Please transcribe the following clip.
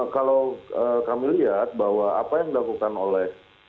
kalau kami lihat bahwa apa yang dilakukan oleh